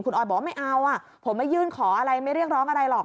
คุณออยบอกว่าไม่เอาผมไม่ยื่นขออะไรไม่เรียกร้องอะไรหรอก